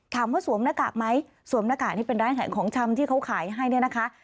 สวมหน้ากากไหมสวมหน้ากากนี่เป็นร้านขายของชำที่เขาขายให้เนี่ยนะคะ